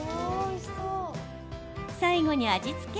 最後に味付け。